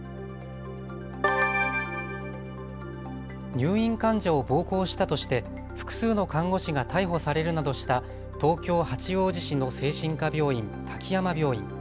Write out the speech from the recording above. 入院患者を暴行したとして複数の看護師が逮捕されるなどした東京八王子市の精神科病院、滝山病院。